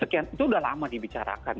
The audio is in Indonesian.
itu sudah lama dibicarakan